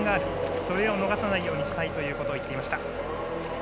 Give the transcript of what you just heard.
それを逃さないようにしたいと言っていました。